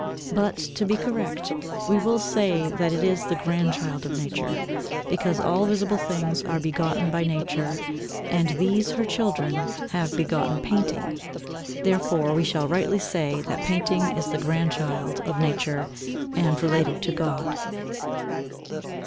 But to be correct, we will say that it is the grandchild of nature, because all visible things are begotten by nature, and these her children have begotten painting. Therefore we shall rightly say that painting is the grandchild of nature and related to God.